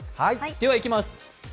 では、いきます。